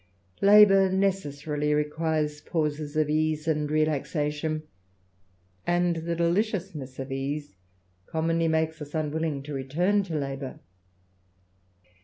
Labour necessarily requires pauses of ease and relaxation, and the deliciousness of ease commonly makes us unwilling to return to labour.